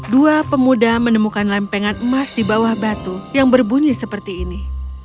dua pemuda menemukan lempengan emas di bawah batu yang berbunyi seperti ini